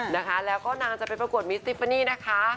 นะคะแล้วก็นางจะไปประกวดมิสติฟานี่นะคะ